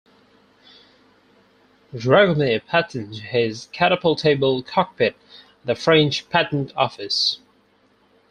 Dragomir patented his "catapult-able cockpit" at the French Patent Office.